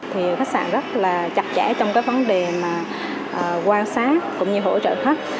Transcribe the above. thì khách sạn rất là chặt chẽ trong các vấn đề quan sát cũng như hỗ trợ khách